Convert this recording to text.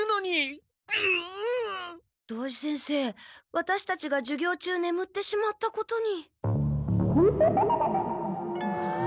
ワタシたちが授業中ねむってしまったことに。